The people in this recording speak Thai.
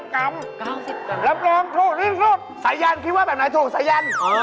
รับรองถูกที่สุดสายันคิดว่าแบบไหนถูกสายัน